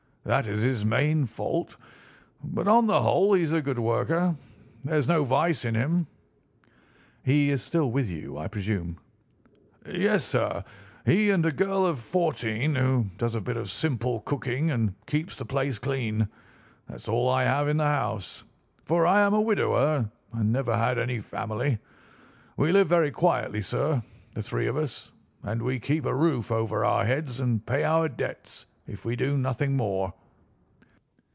That is his main fault, but on the whole he's a good worker. There's no vice in him." "He is still with you, I presume?" "Yes, sir. He and a girl of fourteen, who does a bit of simple cooking and keeps the place clean—that's all I have in the house, for I am a widower and never had any family. We live very quietly, sir, the three of us; and we keep a roof over our heads and pay our debts, if we do nothing more.